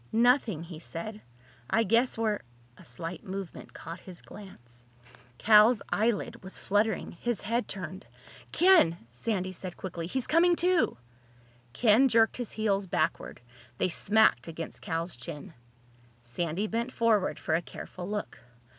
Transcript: "Nothing," he said. "I guess we're—" A slight movement caught his glance. Cal's eyelid was fluttering. His head turned. "Ken!" Sandy said quickly. "He's coming to!" Ken jerked his heels backward. They smacked against Cal's chin. Sandy bent forward for a careful look.